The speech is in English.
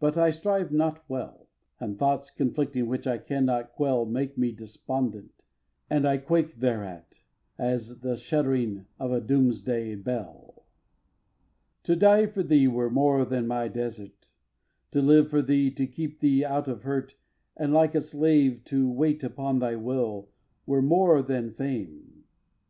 But I strive not well; And thoughts conflicting which I cannot quell Make me despondent; and I quake thereat, As at the shuddering of a doomsday bell. iv. To die for thee were more than my desert; To live for thee to keep thee out of hurt And, like a slave, to wait upon thy will Were more than fame.